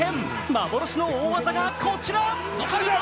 幻の大技がこちら。